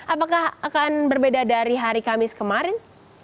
apakah akan berbeda dari hari kamis kemarin